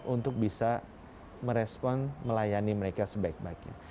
untuk bisa merespon melayani mereka sebaik baiknya